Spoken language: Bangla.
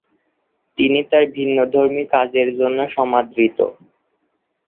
তিনি তার ভিন্নধর্মী কাজের জন্য সমাদৃত।